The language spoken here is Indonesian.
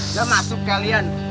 udah masuk kalian